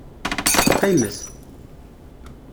Qqimet.